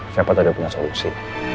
siapa tadi punya solusi